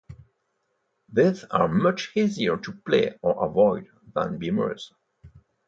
These are much easier to play or avoid than beamers.